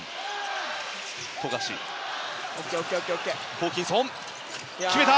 ホーキンソン、決めた。